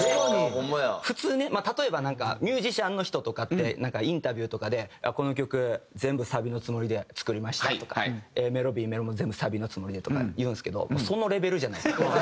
普通ね例えばミュージシャンの人とかってインタビューとかで「この曲全部サビのつもりで作りました」とか「ＡメロＢメロも全部サビのつもりで」とか言うんですけど。